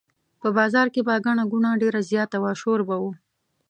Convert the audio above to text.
په بازار کې به ګڼه ګوڼه ډېره زیاته وه شور به و.